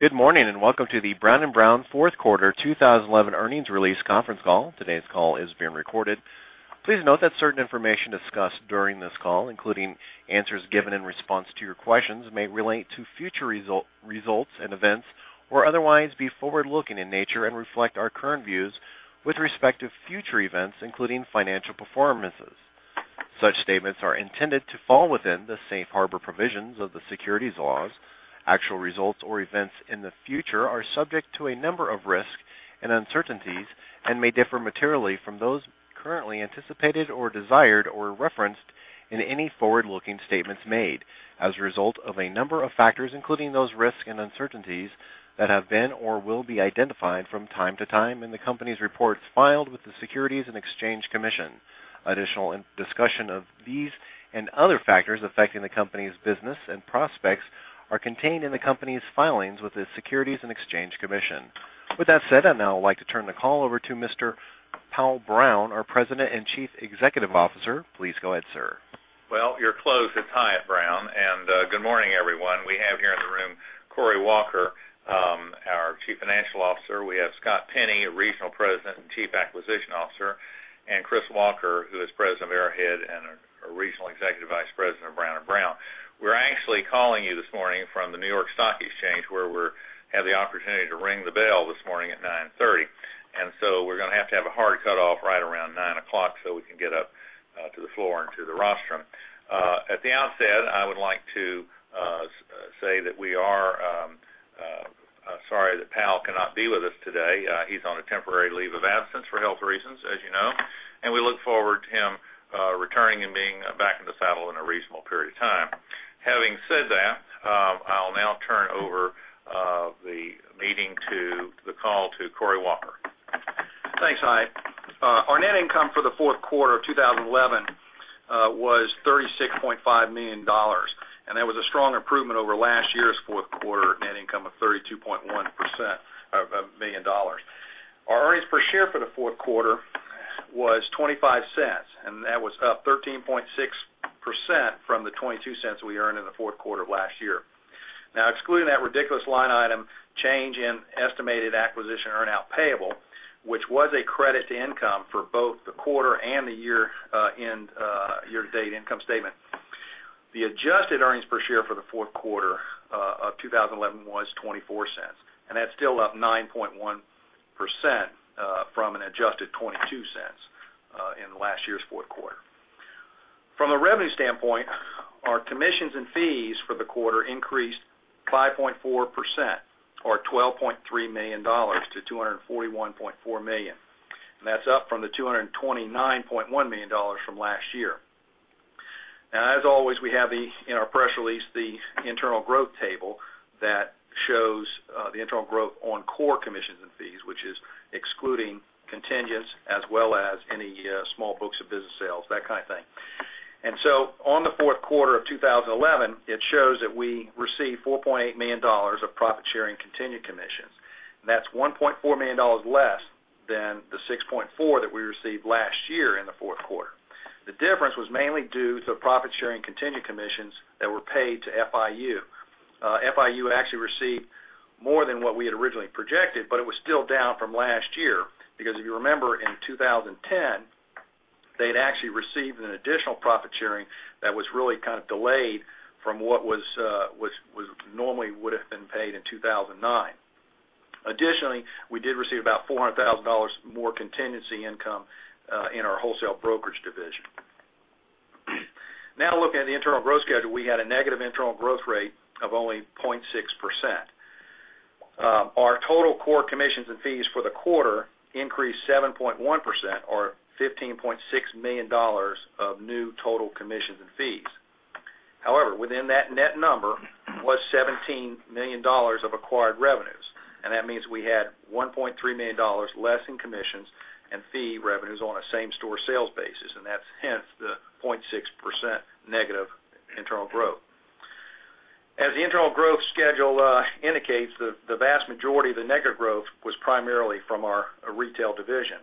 Good morning, and welcome to the Brown & Brown fourth quarter 2011 earnings release conference call. Today's call is being recorded. Please note that certain information discussed during this call, including answers given in response to your questions, may relate to future results and events, or otherwise be forward-looking in nature and reflect our current views with respect to future events, including financial performances. Such statements are intended to fall within the safe harbor provisions of the securities laws. Actual results or events in the future are subject to a number of risks and uncertainties and may differ materially from those currently anticipated or desired or referenced in any forward-looking statements made as a result of a number of factors, including those risks and uncertainties that have been or will be identified from time to time in the company's reports filed with the Securities and Exchange Commission. Additional discussion of these and other factors affecting the company's business and prospects are contained in the company's filings with the Securities and Exchange Commission. With that said, I'd now like to turn the call over to Mr. Powell Brown, our President and Chief Executive Officer. Please go ahead, sir. Well, you're close. It's Hyatt Brown, and good morning, everyone. We have here in the room Cory Walker, our Chief Financial Officer. We have Scott Penny, Regional President and Chief Acquisition Officer, and Chris Walker, who is President of Arrowhead and a Regional Executive Vice President of Brown & Brown. We're actually calling you this morning from the New York Stock Exchange, where we had the opportunity to ring the bell this morning at 9:30 A.M. We're going to have to have a hard cutoff right around 9:00 A.M. so we can get up to the floor and to the rostrum. At the outset, I would like to say that we are sorry that Powell cannot be with us today. He's on a temporary leave of absence for health reasons, as you know, and we look forward to him returning and being back in the saddle in a reasonable period of time. Having said that, I'll now turn over the call to Cory Walker. Thanks, Hyatt. Our net income for the fourth quarter of 2011 was $36.5 million, that was a strong improvement over last year's fourth quarter net income of $32.1 million. Our earnings per share for the fourth quarter was $0.25, that was up 13.6% from the $0.22 we earned in the fourth quarter of last year. Excluding that ridiculous line item, change in estimated acquisition earnout payable, which was a credit to income for both the quarter and the year-to-date income statement. Adjusted earnings per share for the fourth quarter of 2011 was $0.24, that's still up 9.1% from an adjusted $0.22 in last year's fourth quarter. From a revenue standpoint, our commissions and fees for the quarter increased 5.4%, or $12.3 million to $241.4 million, that's up from the $229.1 million from last year. As always, we have in our press release the internal growth table that shows the internal growth on core commissions and fees, which is excluding contingents as well as any small books of business sales, that kind of thing. On the fourth quarter of 2011, it shows that we received $4.8 million of profit-sharing contingent commissions, that's $1.4 million less than the $6.4 million that we received last year in the fourth quarter. The difference was mainly due to profit-sharing contingent commissions that were paid to FIU. FIU actually received more than what we had originally projected, but it was still down from last year because if you remember, in 2010, they had actually received an additional profit-sharing that was really kind of delayed from what normally would have been paid in 2009. Additionally, we did receive about $400,000 more contingency income in our wholesale brokerage division. Looking at the internal growth schedule, we had a negative internal growth rate of only 0.6%. Our total core commissions and fees for the quarter increased 7.1%, or $15.6 million of new total commissions and fees. However, within that net number was $17 million of acquired revenues, that means we had $1.3 million less in commissions and fee revenues on a same-store sales basis, that's hence the 0.6% negative internal growth. As the internal growth schedule indicates, the vast majority of the negative growth was primarily from our retail division,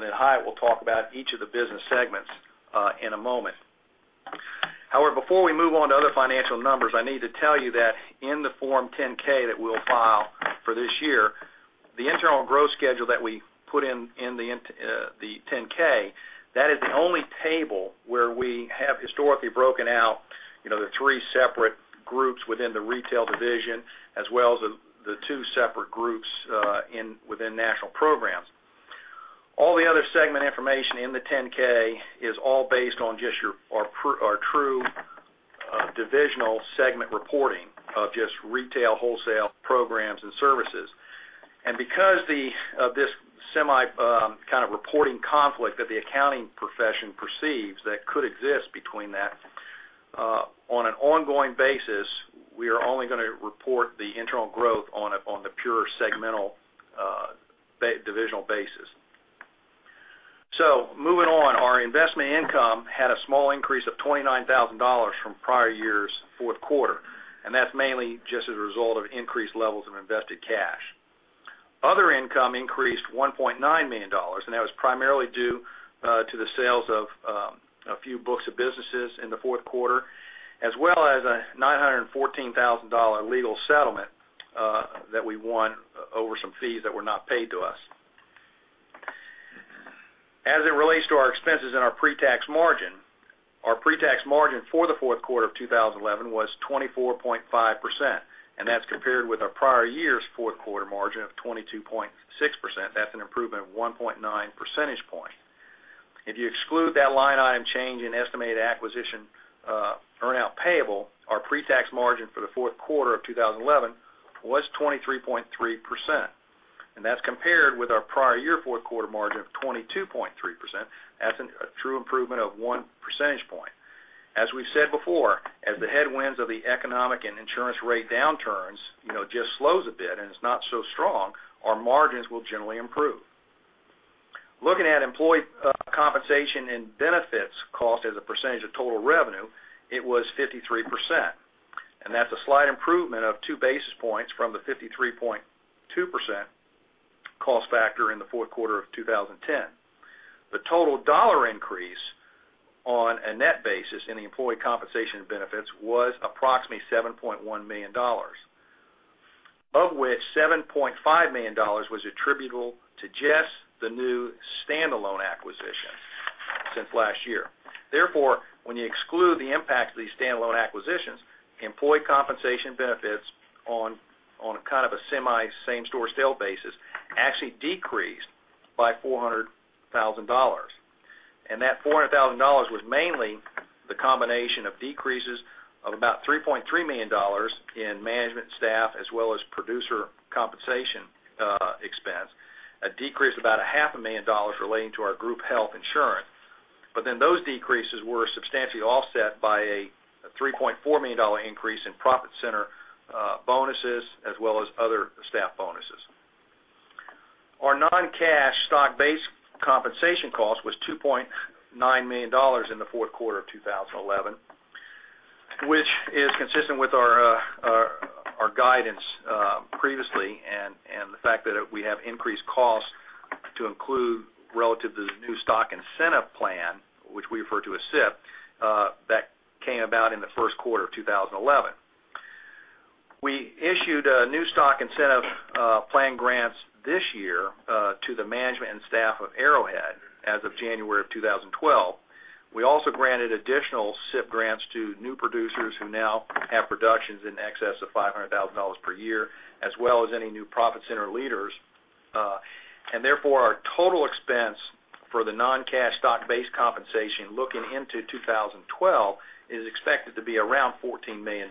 Hyatt will talk about each of the business segments in a moment. Before we move on to other financial numbers, I need to tell you that in the Form 10-K that we'll file for this year, the internal growth schedule that we put in the 10-K, that is the only table where we have historically broken out the three separate groups within the retail division, as well as the two separate groups within national programs. All the other segment information in the 10-K is all based on just our true divisional segment reporting of just retail, wholesale, programs, and services. Because of this semi kind of reporting conflict that the accounting profession perceives that could exist between that, on an ongoing basis, we are only going to report the internal growth on the pure segmental divisional basis. Moving on, our investment income had a small increase of $29,000 from prior year's fourth quarter, that's mainly just as a result of increased levels of invested cash. Income increased $1.9 million, that was primarily due to the sales of a few books of businesses in the fourth quarter, as well as a $914,000 legal settlement that we won over some fees that were not paid to us. As it relates to our expenses and our pre-tax margin, our pre-tax margin for the fourth quarter of 2011 was 24.5%, and that's compared with our prior year's fourth quarter margin of 22.6%. That's an improvement of 1.9 percentage point. If you exclude that line item change in estimated acquisition earnout payable, our pre-tax margin for the fourth quarter of 2011 was 23.3%, and that's compared with our prior year fourth quarter margin of 22.3%. That's a true improvement of one percentage point. As we've said before, as the headwinds of the economic and insurance rate downturns just slows a bit and it's not so strong, our margins will generally improve. Looking at employee compensation and benefits cost as a percentage of total revenue, it was 53%, that's a slight improvement of two basis points from the 53.2% cost factor in the fourth quarter of 2010. The total dollar increase on a net basis in the employee compensation benefits was approximately $7.1 million, of which $7.5 million was attributable to just the new standalone acquisitions since last year. When you exclude the impact of these standalone acquisitions, employee compensation benefits on a kind of a semi same-store sales basis actually decreased by $400,000. That $400,000 was mainly the combination of decreases of about $3.3 million in management staff as well as producer compensation expense, a decrease of about a half a million dollars relating to our group health insurance. Those decreases were substantially offset by a $3.4 million increase in profit center bonuses as well as other staff bonuses. Our non-cash stock-based compensation cost was $2.9 million in the fourth quarter of 2011, which is consistent with our guidance previously, and the fact that we have increased costs to include relative to the new stock incentive plan, which we refer to as SIP. That came about in the first quarter of 2011. We issued new stock incentive plan grants this year to the management and staff of Arrowhead as of January of 2012. We also granted additional SIP grants to new producers who now have productions in excess of $500,000 per year, as well as any new profit center leaders. Our total expense for the non-cash stock-based compensation looking into 2012 is expected to be around $14 million.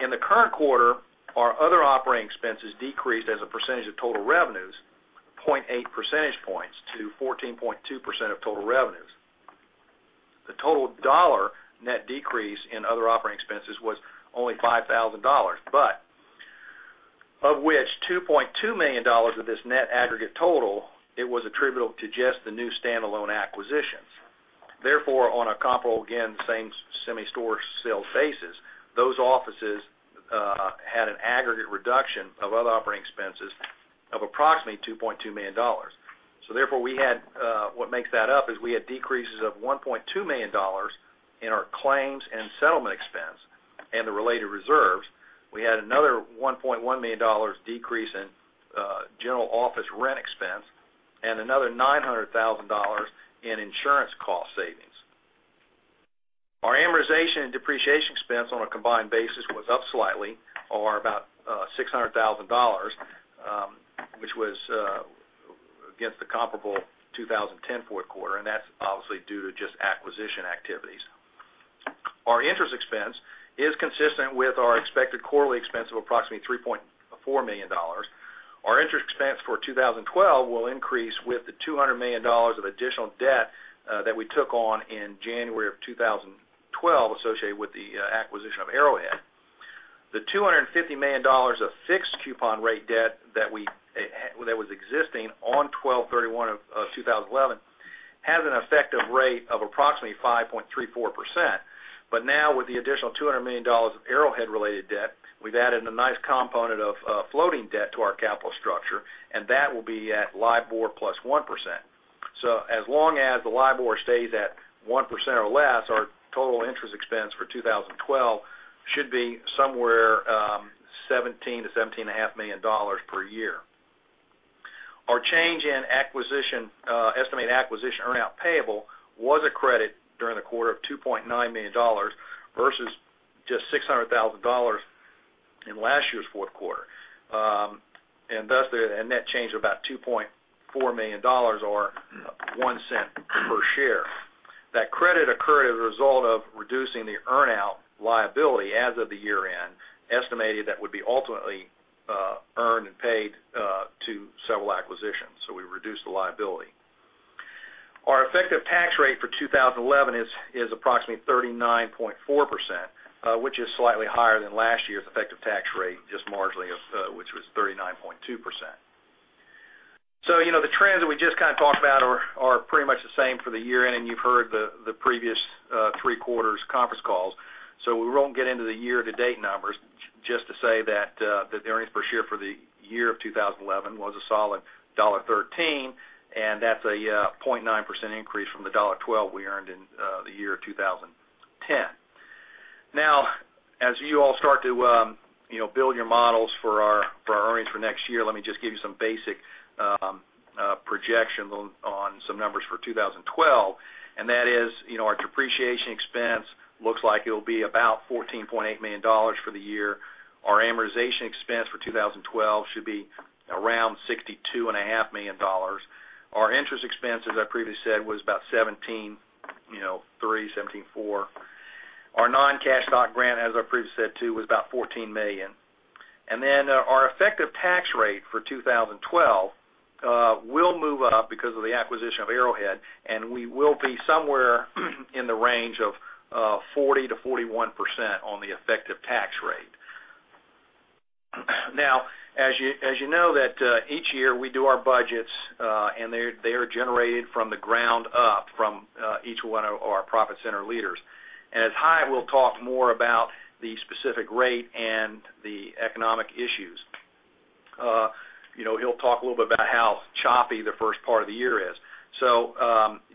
In the current quarter, our other operating expenses decreased as a percentage of total revenues, 0.8 percentage points to 14.2% of total revenues. The total dollar net decrease in other operating expenses was only $5,000. Of which $2.2 million of this net aggregate total, it was attributable to just the new standalone acquisitions. On a comparable, again, same semi store sale basis, those offices had an aggregate reduction of other operating expenses of approximately $2.2 million. What makes that up is we had decreases of $1.2 million in our claims and settlement expense and the related reserves. We had another $1.1 million decrease in general office rent expense and another $900,000 in insurance cost savings. Our amortization and depreciation expense on a combined basis was up slightly or about $600,000, which was against the comparable 2010 fourth quarter, and that's obviously due to just acquisition activities. Our interest expense is consistent with our expected quarterly expense of approximately $3.4 million. Our interest expense for 2012 will increase with the $200 million of additional debt that we took on in January of 2012 associated with the acquisition of Arrowhead. The $250 million of fixed coupon rate debt that was existing on 12/31 of 2011 has an effective rate of approximately 5.34%. Now with the additional $200 million of Arrowhead related debt, we've added a nice component of floating debt to our capital structure, and that will be at LIBOR plus 1%. As long as the LIBOR stays at 1% or less, our total interest expense for 2012 should be somewhere $17 million-$17.5 million per year. Our change in estimated acquisition earnout payable was a credit during the quarter of $2.9 million versus just $600,000 in last year's fourth quarter. Thus, a net change of about $2.4 million or $0.01 per share. That credit occurred as a result of reducing the earnout liability as of the year-end, estimated that would be ultimately earned and paid to several acquisitions. We reduced the liability. Our effective tax rate for 2011 is approximately 39.4%, which is slightly higher than last year's effective tax rate, just marginally, which was 39.2%. The trends that we just talked about are pretty much the same for the year-end, and you've heard the previous three quarters' conference calls. We won't get into the year-to-date numbers, just to say that the earnings per share for the year of 2011 was a solid $1.13, and that's a 0.9% increase from the $1.12 we earned in the year 2010. As you all start to build your models for our earnings for next year, let me just give you some basic projection on some numbers for 2012, and that is our depreciation expense looks like it'll be about $14.8 million for the year. Our amortization expense for 2012 should be around $62.5 million. Our interest expense, as I previously said, was about $17.3 million, $17.4 million. Our non-cash stock grant, as I previously said too, was about $14 million. Our effective tax rate for 2012 will move up because of the acquisition of Arrowhead, and we will be somewhere in the range of 40%-41% on the effective tax rate. As you know that each year we do our budgets, and they are generated from the ground up from each one of our profit center leaders. As Hyatt will talk more about the specific rate and the economic issues. He'll talk a little bit about how choppy the first part of the year is.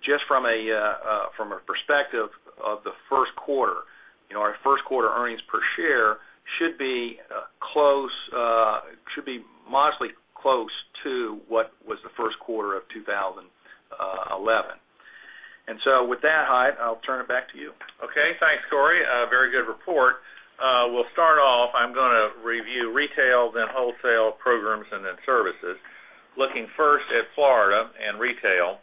Just from a perspective of the first quarter, our first quarter earnings per share should be modestly close to what was the first quarter of 2011. With that, Hyatt, I'll turn it back to you. Okay. Thanks, Cory. A very good report. We'll start off. I'm going to review retail, then wholesale programs, and then services. Looking first at Florida and retail.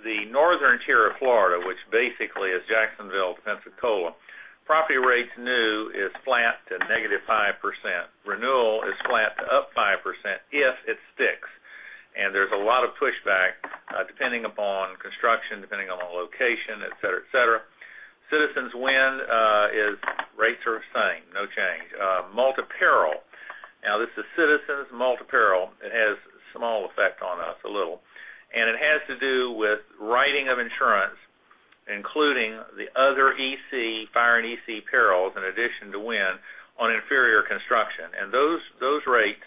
The northern Tier of Florida, which basically is Jacksonville to Pensacola, property rates new is flat to -5%. Renewal is flat to up 5% if it sticks. There's a lot of pushback, depending upon construction, depending upon location, et cetera. Citizens wind rates are the same, no change. Multi-peril. This is Citizens' multi-peril. It has a small effect on us, a little. It has to do with writing of insurance, including the other EC, fire and EC perils, in addition to wind on inferior construction. Those rates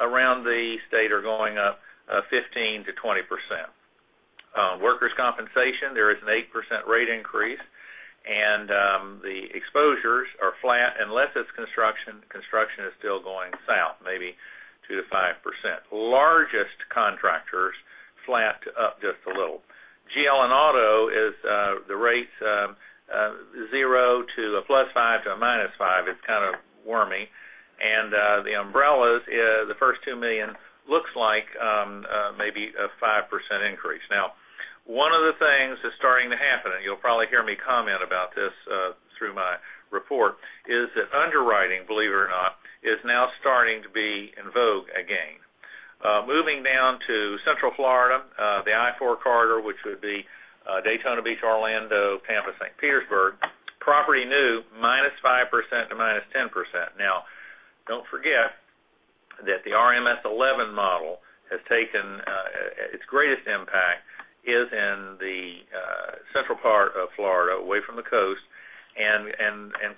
around the state are going up 15%-20%. Workers' compensation, there is an 8% rate increase. The exposures are flat unless it's construction. Construction is still going south, maybe 2%-5%. Largest contractors flat to up just a little. GL and auto rates are zero to a +5 to a -5. It's kind of worming. The umbrellas, the first $2 million looks like maybe a 5% increase. One of the things that's starting to happen, and you'll probably hear me comment about this through my report, is that underwriting, believe it or not, is now starting to be in vogue again. Moving down to Central Florida, the I-4 corridor, which would be Daytona Beach, Orlando, Tampa, St. Petersburg, property new, -5% to -10%. Don't forget that the RMS 11 model has taken its greatest impact is in the central part of Florida, away from the coast, and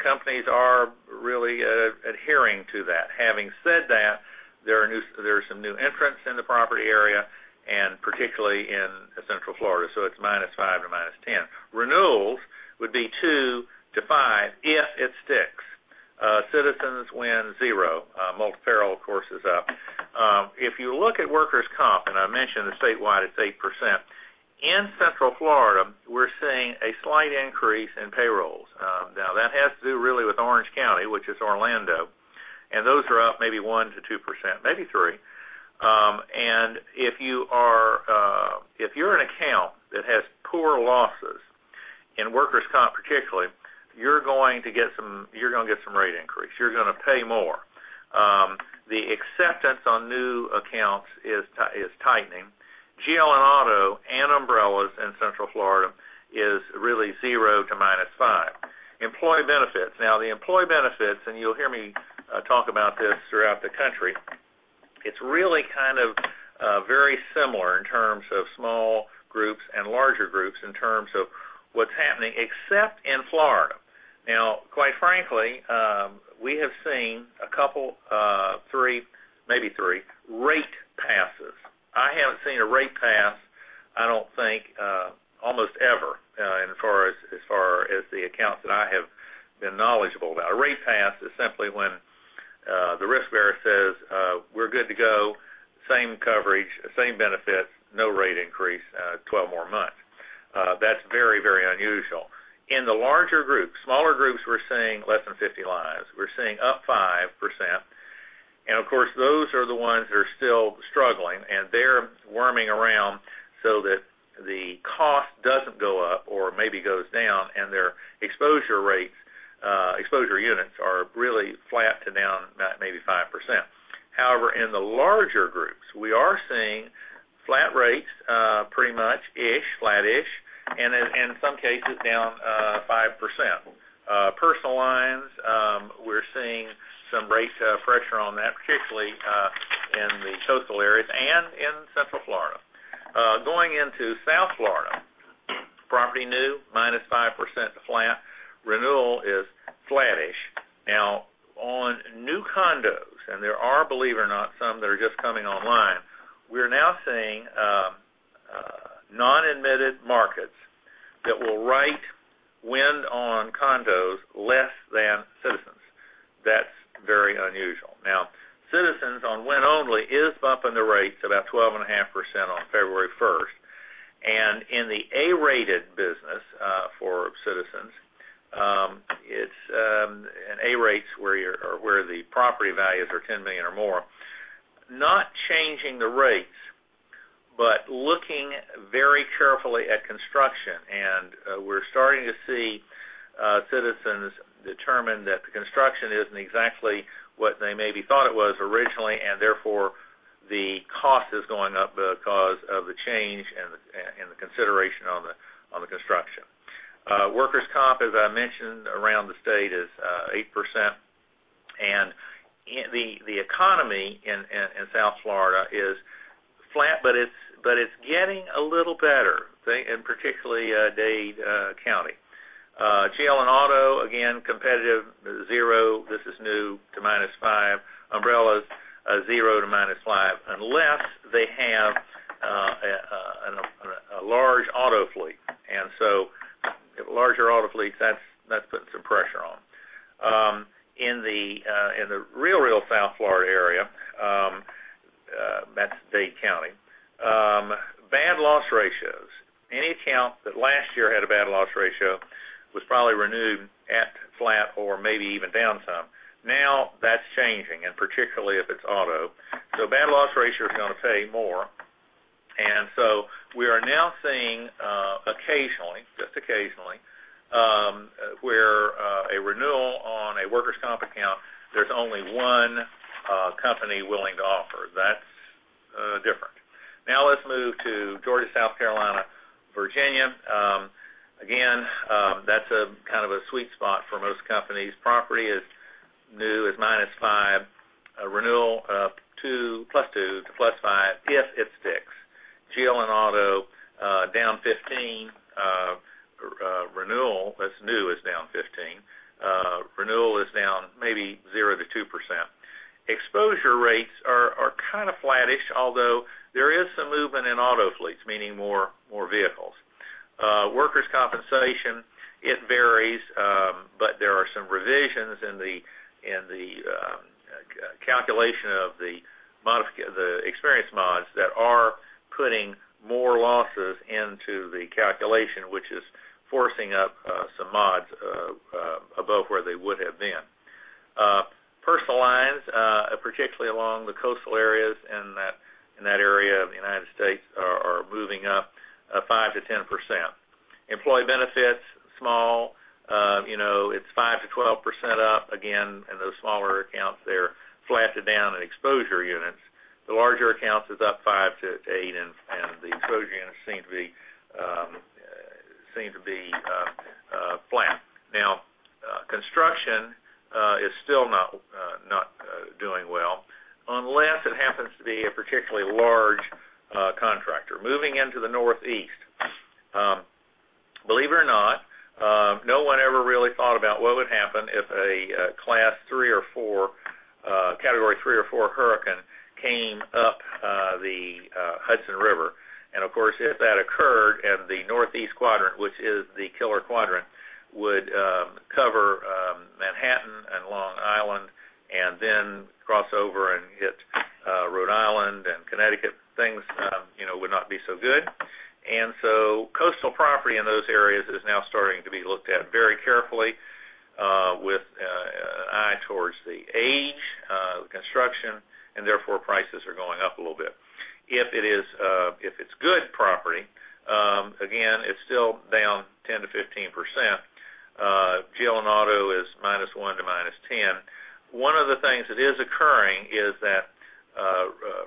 companies are really adhering to that. Having said that, there are some new entrants in the property area, and particularly in Central Florida. It's -5 to -10. Renewals would be 2%-5% if it sticks. Citizens wind, zero. Multi-peril, of course, is up. If you look at workers' comp, I mentioned the statewide, it's 8%. In Central Florida, we're seeing a slight increase in payrolls. That has to do really with Orange County, which is Orlando, and those are up maybe 1%-2%, maybe 3%. If you're an account that has poor losses in workers' comp particularly, you're going to get some rate increase. You're going to pay more. The acceptance on new accounts is tightening. GL and auto and umbrellas in Central Florida is really zero to -5. Employee benefits. The employee benefits, and you'll hear me talk about this throughout the country, it's really very similar in terms of small groups and larger groups in terms of what's happening, except in Florida. Quite frankly, we have seen a couple, three, maybe three rate passes. I haven't seen a rate pass, I don't think, almost ever in as far as the accounts that I have been knowledgeable about. A rate pass is simply when the risk bearer says, "We're good to go. Same coverage, same benefits, no rate increase, 12 more months." That's very unusual. In the larger groups, smaller groups, we're seeing less than 50 lives. We're seeing up 5%. Of course, those are the ones that are still struggling, and they're worming around so that the cost doesn't go up or maybe goes down, and their exposure units are really flat to down maybe 5%. In the larger groups, we are seeing flat rates pretty much-ish, flattish, and in some cases, down 5%. Personal lines. Seeing some rate pressure on that, particularly in the coastal areas and in Central Florida. Going into South Florida, property new, -5%, flat. Renewal is flattish. On new condos, and there are, believe it or not, some that are just coming online, we're now seeing non-admitted markets that will write wind on condos less than Citizens. That's very unusual. Citizens on wind only is bumping the rates about 12.5% on February 1st. In the A-rated business for Citizens, an A rate's where the property values are $10 million or more, not changing the rates, but looking very carefully at construction. We're starting to see Citizens determine that the construction isn't exactly what they maybe thought it was originally, and therefore the cost is going up because of the change and the consideration on the construction. Workers' comp, as I mentioned, around the state is 8%. The economy in South Florida is flat, but it's getting a little better, in particularly Dade County. GL and auto, again, competitive, 0, this is new, to -5. Umbrellas, 0 to -5, unless they have a large auto fleet. If a larger auto fleet, that's putting some pressure on. In the real South Florida area, that's Dade County, bad loss ratios. Any account that last year had a bad loss ratio was probably renewed at flat or maybe even down some. That's changing, and particularly if it's auto. Bad loss ratio is going to pay more. We are now seeing occasionally, just occasionally, where a renewal on a workers' comp account, there's only one company willing to offer. That's different. Let's move to Georgia, South Carolina, Virginia. Again, that's kind of a sweet spot for most companies. Property is new, is -5. Renewal, +2 to +5, if it sticks. GL and auto, new is down 15. Renewal is down maybe 0 to 2%. Exposure rates are kind of flattish, although there is some movement in auto fleets, meaning more vehicles. Workers' compensation, it varies, but there are some revisions in the calculation of the experience mods that are putting more losses into the calculation, which is forcing up some mods above where they would have been. Personal lines, particularly along the coastal areas in that area of the U.S., are moving up 5%-10%. Employee benefits, small. It's 5%-12% up, again, in those smaller accounts there, flat to down in exposure units. The larger accounts is up 5 to 8, and the exposure units seem to be flat. Construction is still not doing well, unless it happens to be a particularly large contractor. Moving into the Northeast. Believe it or not, no one ever really thought about what would happen if a category 3 or 4 hurricane came up the Hudson River. Of course, if that occurred, and the Northeast quadrant, which is the killer quadrant, would cover Manhattan and Long Island and then cross over and hit Rhode Island and Connecticut, things would not be so good. Coastal property in those areas is now starting to be looked at very carefully with an eye towards the age, the construction, and therefore prices are going up a little bit. If it's good property, again, it's still down 10%-15%. GL and auto is -1% to -10%. One of the things that is occurring is that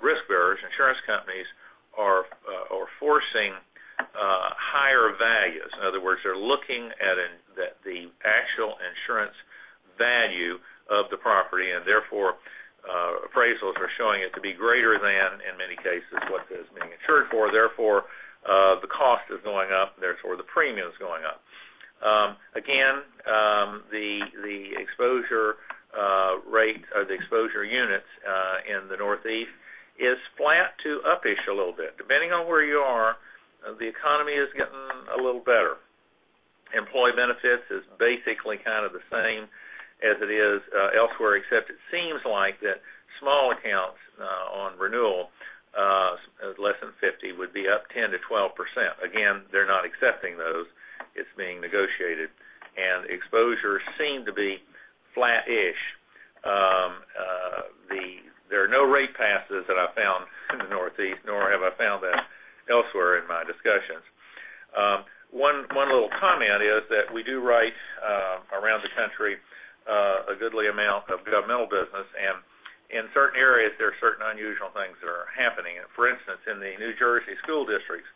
risk bearers, insurance companies, are forcing higher values. In other words, they're looking at the actual insurance value of the property, and therefore appraisals are showing it to be greater than, in many cases, what it is being insured for, therefore, the cost is going up, therefore, the premium's going up. Again, the exposure units in the Northeast is flat to upish a little bit. Depending on where you are, the economy is getting a little better. Employee benefits is basically kind of the same as it is elsewhere, except it seems like that small accounts on renewal, less than 50, would be up 10%-12%. Again, they're not accepting those. It's being negotiated. Exposure seem to be flattish. There are no rate passes that I've found in the Northeast, nor have I found that elsewhere in my discussions. One little comment is that we do write around the country a goodly amount of governmental business, and in certain areas, there are certain unusual things that are happening. For instance, in the New Jersey school districts,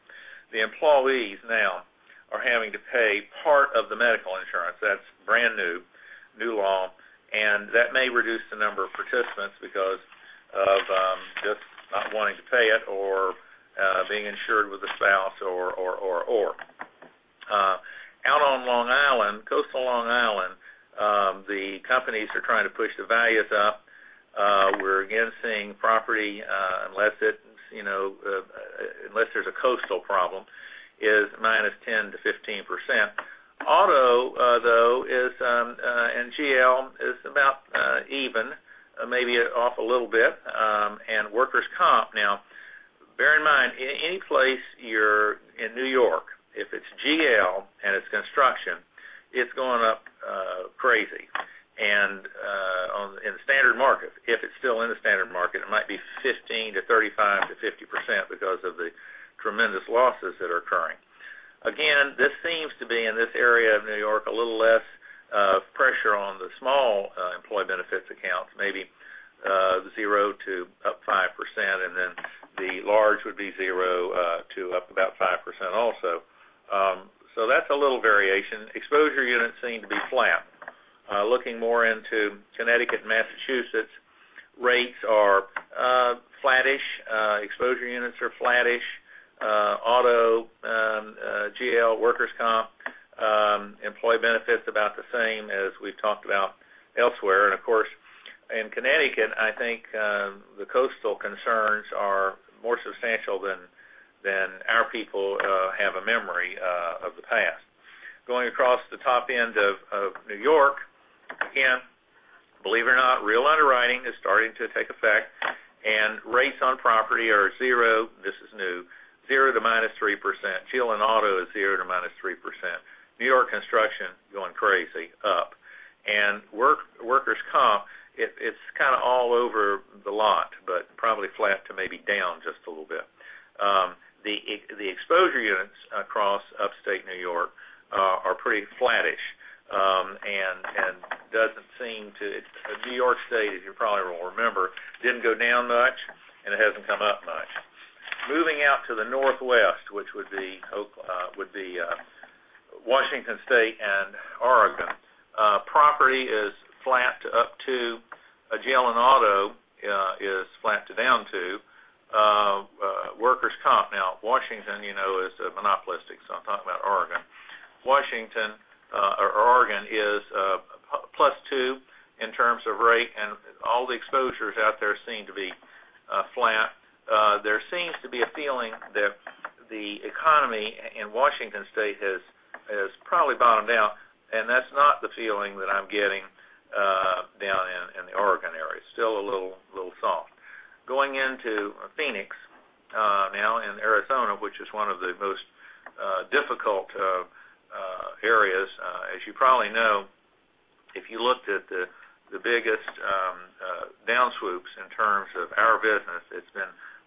the employees now are having to pay part of the medical insurance. That's brand new law, and that may reduce the number of participants because of just not wanting to pay it or being insured with a spouse or. Out on Long Island, coastal Long Island, the companies are trying to push the values up. We're again seeing property, unless there's a coastal problem, is -10% to -15%. Auto, though, and GL, is about even, maybe off a little bit. Workers' comp, now, bear in mind, any place, you're in New York, if it's GL and it's construction, it's going up crazy. In the standard market, if it's still in the standard market, it might be 15% to 35% to 50% because of the tremendous losses that are occurring. Again, this seems to be, in this area of New York, a little less pressure on the small employee benefits accounts, maybe 0% to up 5%, then the large would be 0% to up about 5% also. That's a little variation. Exposure units seem to be flat. Looking more into Connecticut and Massachusetts, rates are flattish. Exposure units are flattish. Auto, GL, workers' comp, employee benefits, about the same as we've talked about elsewhere. Of course, in Connecticut, I think the coastal concerns are more substantial than our people have a memory of the past. Going across the top end of New York, again, believe it or not, real underwriting is starting to take effect, rates on property are 0%, this is new, 0% to -3%. GL and auto is 0% to -3%. New York construction, going crazy, up. Workers' comp, it's kind of all over the lot, but probably flat to maybe down just a little bit. The exposure units across Upstate New York are pretty flattish and doesn't seem to New York State, as you probably will remember, didn't go down much, and it hasn't come up much. Moving out to the Northwest, which would be Washington State and Oregon. Property is flat to up 2%. GL and auto is flat to down 2%. Workers' comp. Washington, as a monopolistic, so I'm talking about Oregon. Oregon is a +2 in terms of rate. All the exposures out there seem to be flat. There seems to be a feeling that the economy in Washington State has probably bottomed out. That's not the feeling that I'm getting down in the Oregon area. Still a little soft. Going into Phoenix now, in Arizona, which is one of the most difficult areas. As you probably know, if you looked at the biggest down swoops in terms of our business, it's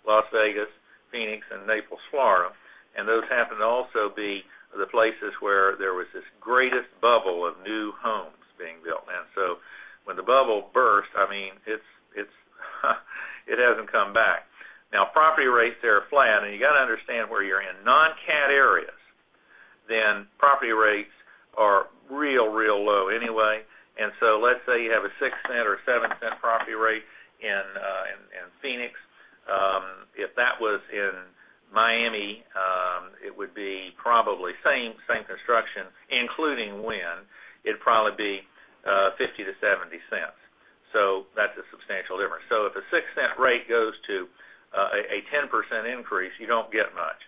been Las Vegas, Phoenix, and Naples, Florida. Those happen to also be the places where there was this greatest bubble of new homes being built. When the bubble burst, it hasn't come back. Now, property rates there are flat. You got to understand where you're in. Non-cat areas, property rates are real low anyway. Let's say you have a $0.06 or $0.07 property rate in Phoenix. If that was in Miami, it would be probably same construction, including wind, it'd probably be $0.50-$0.70. That's a substantial difference. If a $0.06 rate goes to a 10% increase, you don't get much.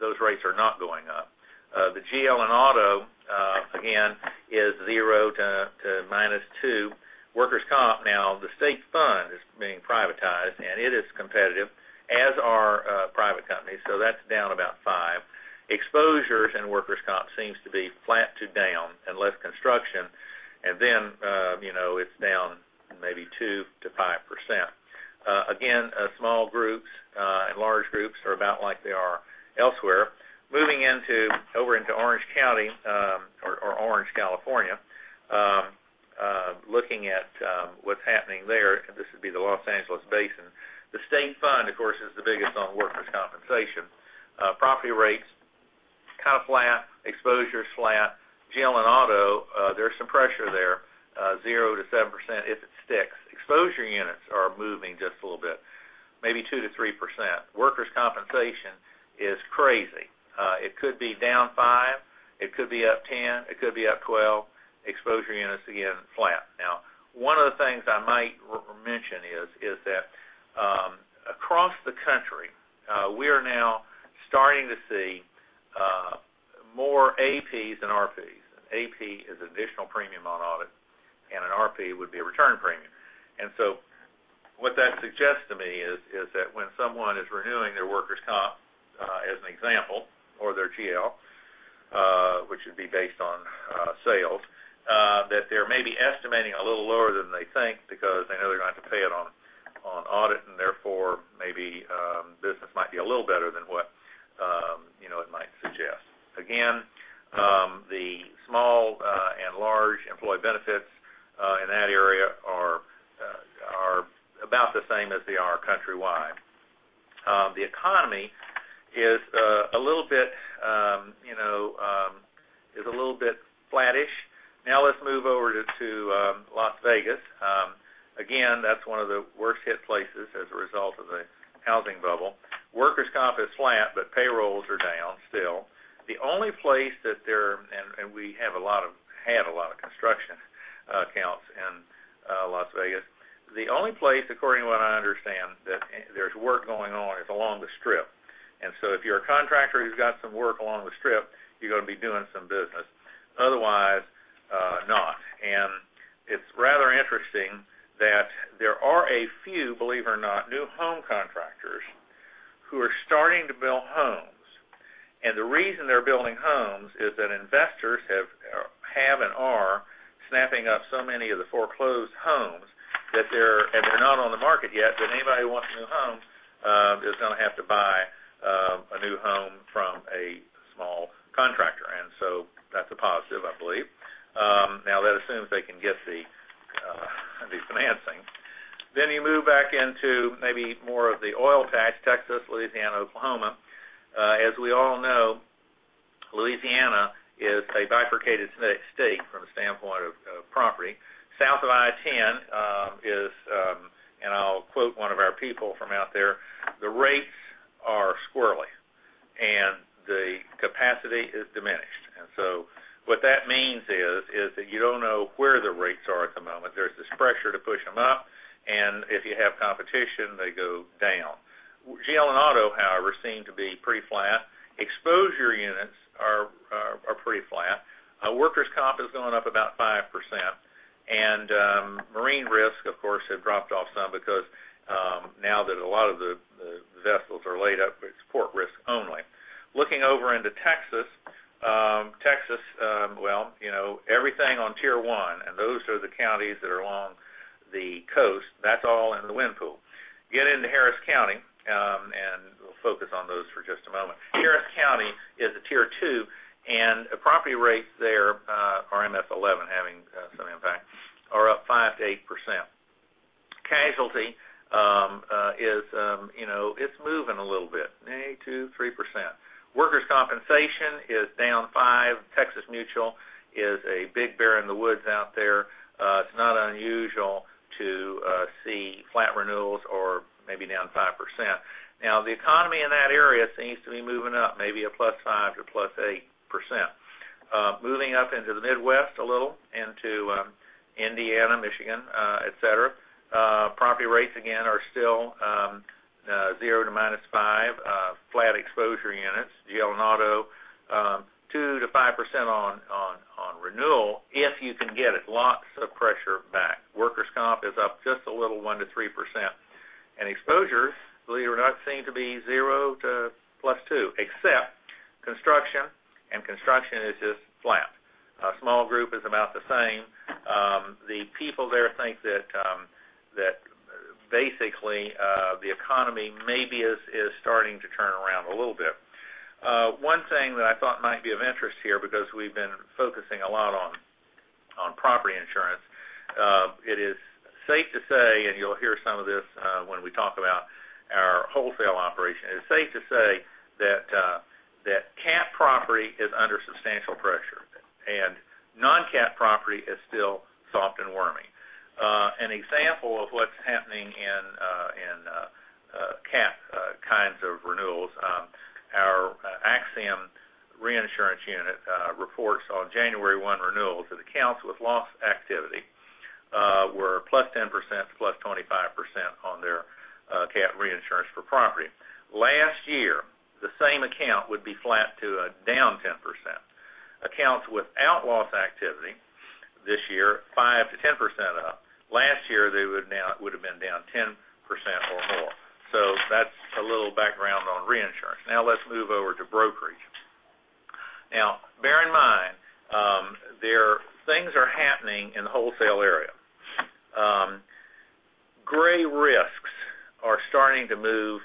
Those rates are not going up. The GL and auto, again, is 0% to -2%. Workers' comp now, the state fund is being privatized. It is competitive, as are private companies. That's down about 5%. Exposures in workers' comp seems to be flat to down. Less construction. It's down maybe 2%-5%. Again, small groups and large groups are about like they are elsewhere. Moving over into Orange County, or Orange, California, looking at what's happening there, this would be the Los Angeles basin. The state fund, of course, is the biggest on workers' compensation. Property rates, kind of flat. Exposure, flat. GL and auto, there's some pressure there, 0%-7% if it sticks. Exposure units are moving just a little bit, maybe 2%-3%. Workers' compensation is crazy. It could be down 5%, it could be up 10%, it could be up 12%. Exposure units, again, flat. One of the things I might mention is that across the country, we are now starting to see more APs than RPs. An AP is additional premium on audit. An RP would be a return premium. What that suggests to me is that when someone is renewing their workers' comp, as an example, or their GL, which would be based on sales, that they're maybe estimating a little lower than they think because they know they're not going to pay it on audit. Maybe business might be a little better than what it might suggest. Again, the small and large employee benefits in that area are about the same as they are countrywide. The economy is a little bit flattish. Let's move over to Las Vegas. Again, that's one of the worst-hit places as a result of the housing bubble. Workers' comp is flat. Payrolls are down still. We had a lot of construction accounts in Las Vegas. The only place, according to what I understand, that there's work going on is along the Strip. If you're a contractor who's got some work along the Strip, you're going to be doing some business. Otherwise, not. It's rather interesting that there are a few, believe it or not, new home contractors who are starting to build homes. The reason they're building homes is that investors have and are snapping up so many of the foreclosed homes, and they're not on the market yet, that anybody who wants a new home is going to have to buy a new home from a small contractor. That's a positive, I believe. Now, that assumes they can get the financing. You move back into maybe more of the oil patch, Texas, Louisiana, Oklahoma. As we all know, Louisiana is a bifurcated state from a standpoint of property. South of I-10 is, and I'll quote one of our people from out there, "The rates are squirrely, and the capacity is diminished." What that means is that you don't know where the rates are at the moment. There's this pressure to push them up, and if you have competition, they go down. GL and auto, however, seem to be pretty flat. Exposure units are pretty flat. Workers' comp is going up about 5%. Marine risk, of course, had dropped off some because now that a lot of the vessels are laid up, it's port risk only. Looking over into Texas. Texas, well, everything on Tier 1, and those are the counties that are along the coast, that's all in the wind pool. Get into Harris County, we'll focus on those for just a moment. Harris County is a Tier 2, property rates there, RMS 11 having some impact, are up 5%-8%. Casualty is moving a little bit, 2%-3%. Workers' compensation is down 5%. Texas Mutual is a big bear in the woods out there. It's not unusual to see flat renewals or maybe down 5%. Now, the economy in that area seems to be moving up, maybe a +5% to +8%. Moving up into the Midwest a little, into Indiana, Michigan, et cetera. Property rates, again, are still 0% to -5%. Flat exposure units. GL and auto, 2%-5% on renewal, if you can get it. Lots of pressure back. Workers' comp is up just a little, 1%-3%. Exposures, believe it or not, seem to be 0% to +2%, except construction, and construction is just flat. Small group is about the same. The people there think that basically, the economy maybe is starting to turn around a little bit. One thing that I thought might be of interest here, because we've been focusing a lot on property insurance. It is safe to say, you'll hear some of this when we talk about our wholesale operation. It's safe to say that cat property is under substantial pressure, non-cat property is still soft and warming. An example of what's happening in cat kinds of renewals, our Axiom reinsurance unit reports on January 1 renewals that accounts with loss activity were +10% to +25% on their cat reinsurance for property. Last year, the same account would be flat to down 10%. Accounts without loss activity this year, 5%-10% up. Last year, they would've been down 10% or more. That's a little background on reinsurance. Let's move over to brokerage. Bear in mind, things are happening in the wholesale area. Gray risks are starting to move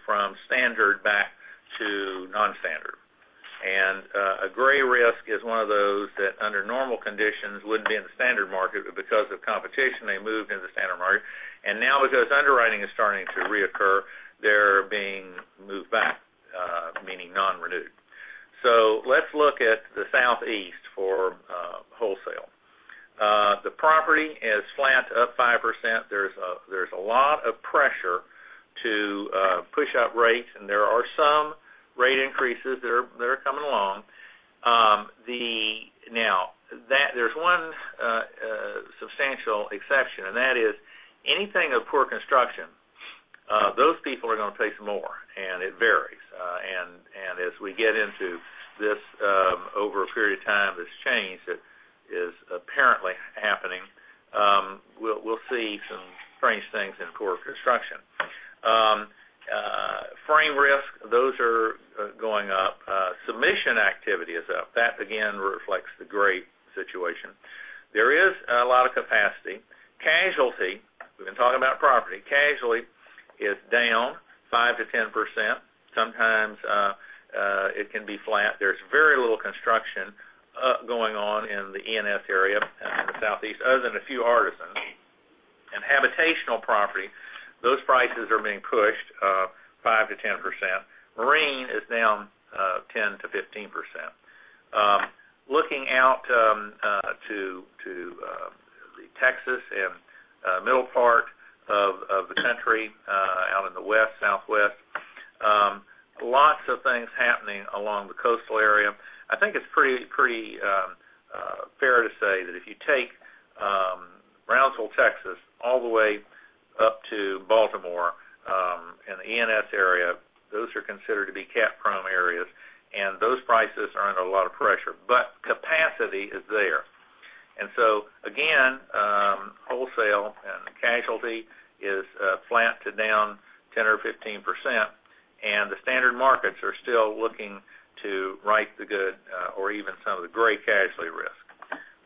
and the standard markets are still looking to write the good or even some of the gray casualty risk.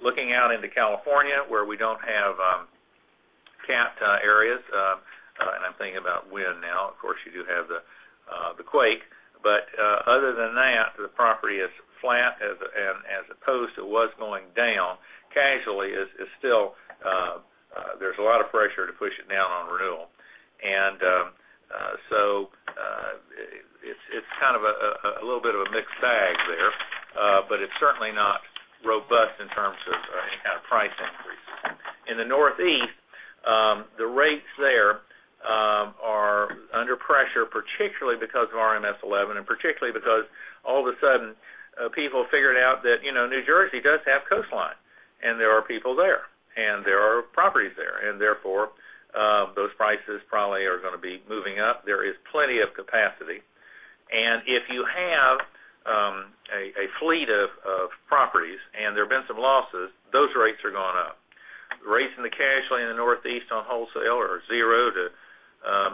Looking out into California, where we don't have cat areas, and I'm thinking about wind now, of course, you do have the quake, but other than that, the property is flat as opposed to what's going down. Casualty, there's a lot of pressure to push it down on renewal. It's a little bit of a mixed bag there, but it's certainly not robust in terms of any kind of price increase. In the Northeast, the rates there are under pressure, particularly because of RMS 11 and particularly because all of a sudden, people figured out that New Jersey does have coastline, and there are people there, and there are properties there. Therefore, those prices probably are going to be moving up. There is plenty of capacity. If you have a fleet of properties and there have been some losses, those rates are going up. Rates in the casualty in the Northeast on wholesale are zero to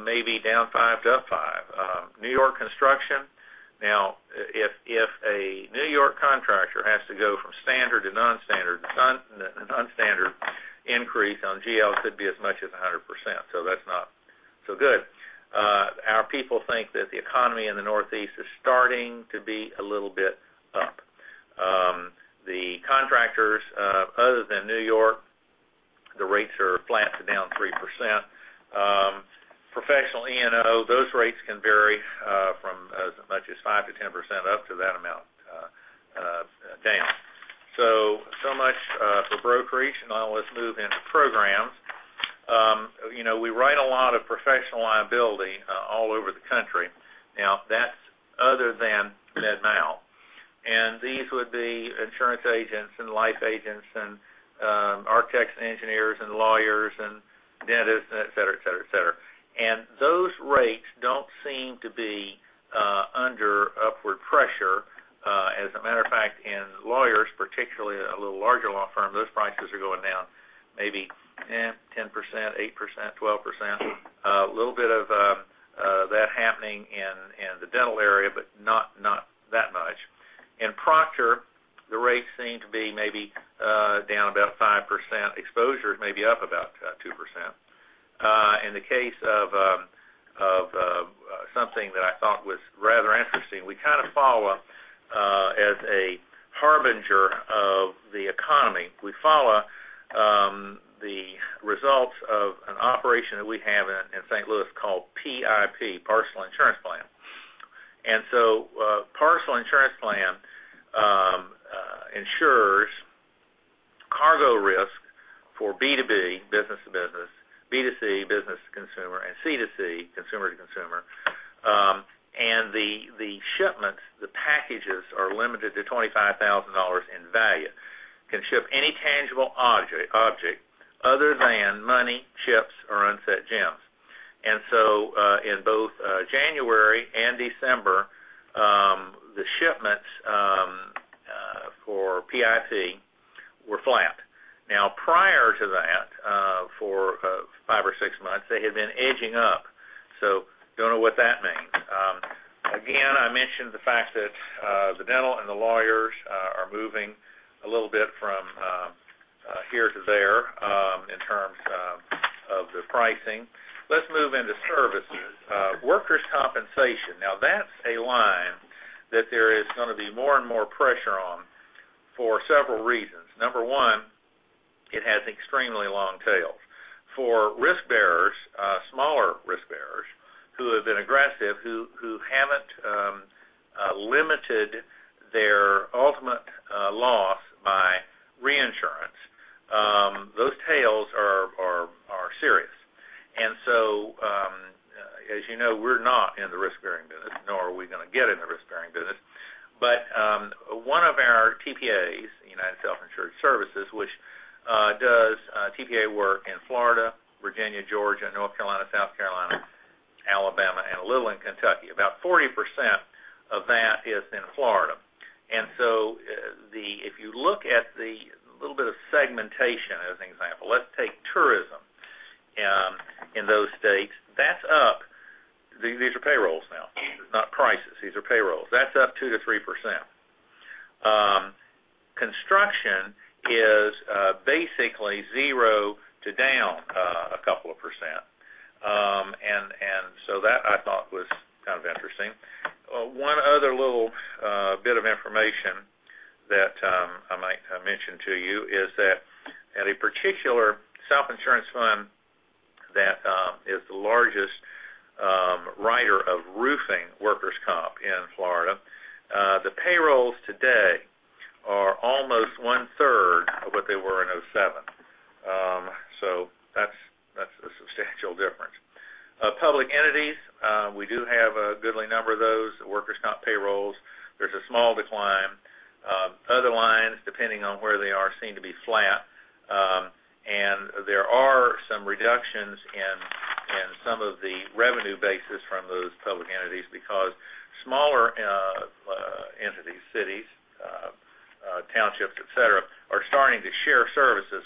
maybe down 5% to up 5%. New York construction, now, if a New York contractor has to go from standard to non-standard, the non-standard increase on GL could be as much as 100%, so that's not so good. Our people think that the economy in the Northeast is starting to be a little bit up. The contractors, other than N.Y., the rates are flat to down 3%. Professional E&O, those rates can vary from as much as 5%-10% up to that amount down. Much for brokerage. Let's move into programs. We write a lot of professional liability all over the country. That's other than Med Mal. These would be insurance agents, and life agents, and architects and engineers, and lawyers, and dentists, and et cetera. Those rates don't seem to be under upward pressure. As a matter of fact, in lawyers, particularly a little larger law firm, those prices are going down maybe 10%, 8%, 12%. A little bit of that happening in the dental area, but not that much. In Proctor, the rates seem to be maybe down about 5%. Exposures may be up about 2%. In the case of something that I thought was rather interesting, as a harbinger of the economy, we follow the results of an operation that we have in St. Louis called PIP, Parcel Insurance Plan. Parcel Insurance Plan insures cargo risk for B2B, business to business, B2C, business to consumer, and C2C, consumer to consumer. The shipments, the packages, are limited to $25,000 in value. Can ship any tangible object other than money, chips, or unset gems. In both January and December, the shipments for PIP were flat. Prior to that, for five or six months, they had been edging up, so don't know what that means. I mentioned the fact that the dental and the lawyers are moving a little bit from here to there in terms of the pricing. Let's move into services. Workers' compensation. That's a line that there is going to be more and more pressure on for several reasons. Number one, it has extremely long tails. For risk bearers, smaller risk bearers, who have been aggressive, who haven't limited their ultimate loss by reinsurance, those tails are serious. As you know, we're not in the risk-bearing business, nor are we going to get in the risk-bearing business. One of our TPAs, United Self-Insured Services, which does TPA work in Florida, Virginia, Georgia, North Carolina, South Carolina, Alabama, and a little in Kentucky, about 40% of that is in Florida. If you look at the little bit of segmentation, as an example, let's take tourism in those states. These are payrolls now, not prices. These are payrolls. That's up 2%-3%. Basically zero to down a couple of percent. That I thought was kind of interesting. One other little bit of information that I might mention to you is that at a particular self-insurance fund that is the largest writer of roofing workers' comp in Florida, the payrolls today are almost one-third of what they were in 2007. That's a substantial difference. Public entities, we do have a goodly number of those, workers' comp payrolls. There's a small decline. Other lines, depending on where they are, seem to be flat. There are some reductions in some of the revenue bases from those public entities because smaller entities, cities, townships, et cetera, are starting to share services,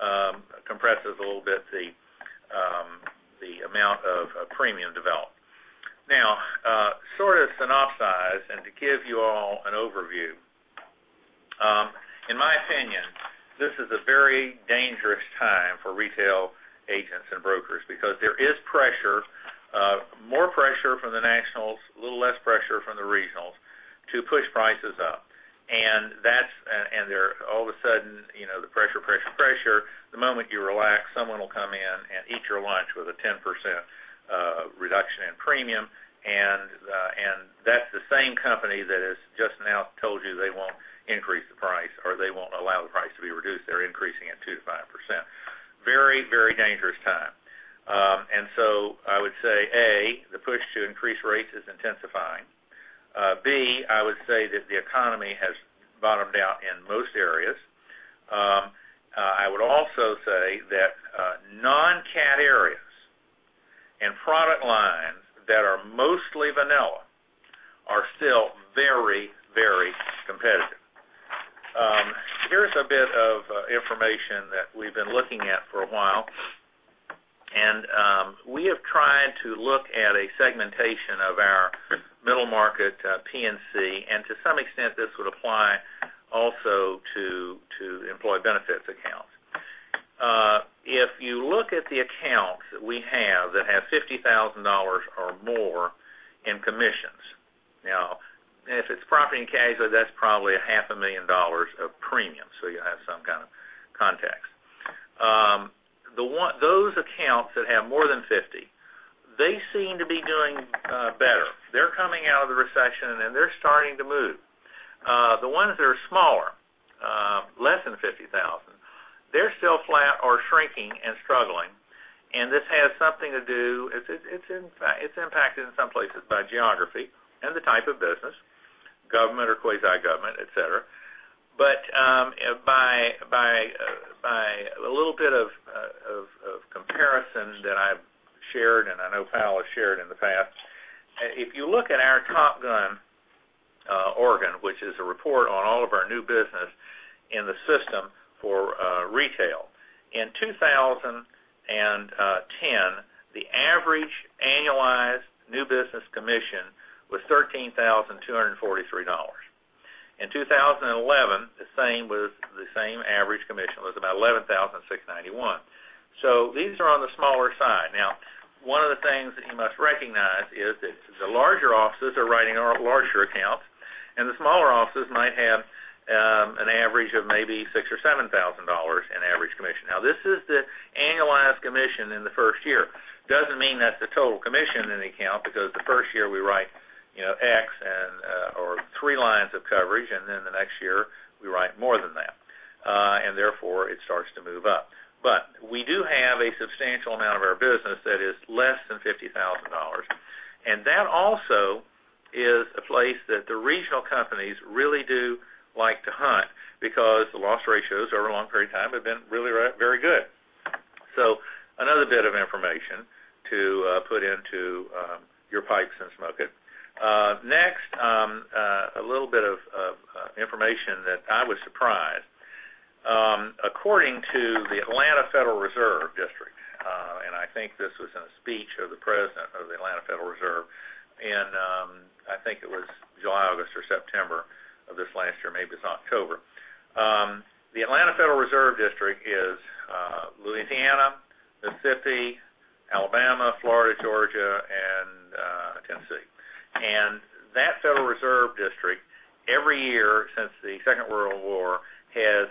which compresses a little bit the amount of premium developed. Sort of synopsize and to give you all an overview. In my opinion, this is a very dangerous time for retail agents and brokers because there is pressure, more pressure from the nationals, a little less pressure from the regionals to push prices up. All of a sudden, the pressure, pressure, the moment you relax, someone will come in and eat your lunch with a 10% reduction in premium, and that's the same company that has just now told you they won't increase the price or they won't allow the price to be reduced. They're increasing it 2%-5%. Very, very dangerous time. So I would say, A, the push to increase rates is intensifying. B, I would say that the economy has bottomed out in most areas. I would also say that non-cat areas and product lines that are mostly vanilla are still very, very competitive. Here's a bit of information that we've been looking at for a while, we have tried to look at a segmentation of our middle market P&C, and to some extent, this would apply also to employee benefits accounts. If you look at the accounts that we have that have $50,000 or more in commissions. Now, if it's property and casualty, that's probably a half a million dollars of premium, so you have some kind of context. Those accounts that have more than 50, they seem to be doing better. They're coming out of the recession and they're starting to move. The ones that are smaller, less than $50,000, they're still flat or shrinking and struggling, It's impacted in some places by geography and the type of business, government or quasi-government, et cetera. By a little bit of comparison that I've shared, and I know Powell has shared in the past, if you look at our Top Gun report, which is a report on all of our new business in the system for retail. In 2010, the average annualized new business commission was $13,243. In 2011, the same average commission was about $11,691. These are on the smaller side. Now, one of the things that you must recognize is that the larger offices are writing our larger accounts, and the smaller offices might have an average of maybe $6,000 or $7,000 in average commission. Now, this is the annualized commission in the first year. Doesn't mean that's the total commission in the account because the first year we write X or 3 lines of coverage, the next year we write more than that. Therefore, it starts to move up. We do have a substantial amount of our business that is less than $50,000. That also is a place that the regional companies really do like to hunt because the loss ratios over a long period of time have been really very good. Another bit of information to put into your pipes and smoke it. Next, a little bit of information that I was surprised. According to the Atlanta Federal Reserve District, I think this was in a speech of the president of the Atlanta Federal Reserve in, I think it was July, August, or September of this last year, maybe it's October. The Atlanta Federal Reserve District is Louisiana, Mississippi, Alabama, Florida, Georgia, and Tennessee. That Federal Reserve District, every year since the Second World War, in